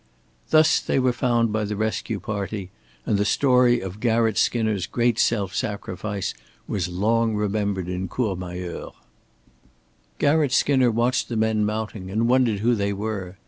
Thus they were found by the rescue party; and the story of Garratt Skinner's great self sacrifice was long remembered in Courmayeur. Garratt Skinner watched the men mounting and wondered who they were.